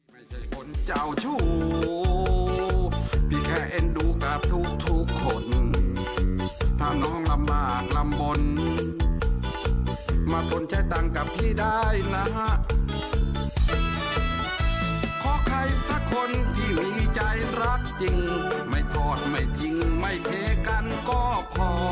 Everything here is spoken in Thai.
มีใจรักจริงไม่ทอดไม่ทิ้งไม่เทกันก็พอ